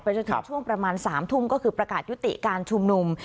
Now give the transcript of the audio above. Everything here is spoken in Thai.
จนถึงช่วงประมาณ๓ทุ่มก็คือประกาศยุติการชุมนุม